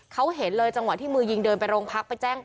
เขาเห็นเลยจังหวะที่มือยิงเดินไปโรงพักไปแจ้ง